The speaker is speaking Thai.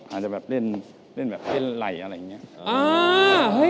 อาจจะแบบเล่นไหล่อะไรอย่างนี้